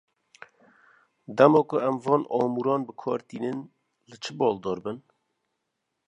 Dema ku em van amûran bi kar tînin, li çi baldar bin?